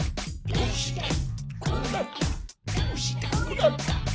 どうしてこうなった？」